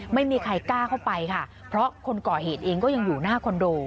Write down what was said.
ไม่มีใครกล้าเข้าไปค่ะเพราะคนก่อเหตุเองก็ยังอยู่หน้าคอนโด